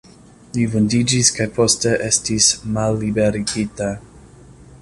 Li vundiĝis kaj poste estis malliberigita.